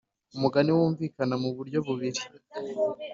umugani wumvikana mu buryo bubiri.